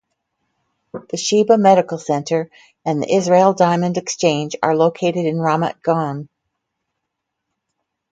The Sheba Medical Center and the Israel Diamond Exchange are located in Ramat Gan.